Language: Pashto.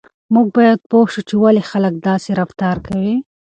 موږ باید پوه شو چې ولې خلک داسې رفتار کوي.